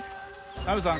ナミさん